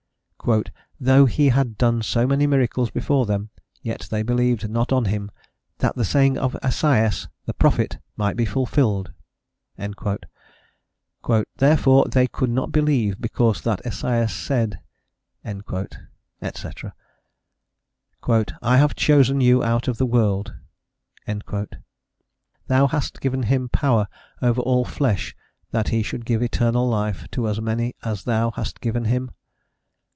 "Though he had done so many miracles before them, yet they believed not on him: that the saying of Esaias the prophet might be fulfilled." "Therefore, they could not believe because that Esaias said," &c. "I have chosen you out of the world." "Thou hast given him power over all flesh, that he should give eternal life to _as many as Thou hast given him?